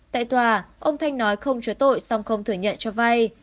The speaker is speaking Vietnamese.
tại tòa ông thanh nói không cho tội xong không thừa nhận cho vai